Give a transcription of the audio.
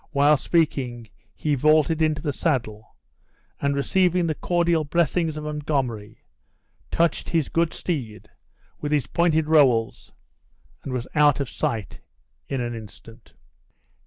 While speaking he vaulted into his saddle, and receiving the cordial blessings of Montgomery, touched his good steed with his pointed rowels, and was out of sight in an instant.